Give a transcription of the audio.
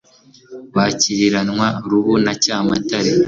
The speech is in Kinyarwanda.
Ba Cyiriranwa-rubu na Cyamatare,